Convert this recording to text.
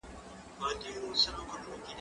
زه به سبا سندري واورم؟!